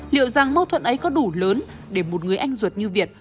liệu rằng mâu thuẫn ấy có đủ lớn để một người anh ruột như việt